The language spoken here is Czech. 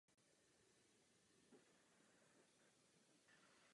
Realizace Stockholmského programu má a bude mít svá úskalí.